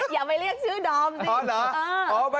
อย่าไปเรียกชื่อดอมสิ